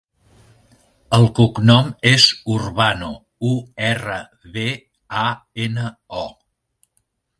El cognom és Urbano: u, erra, be, a, ena, o.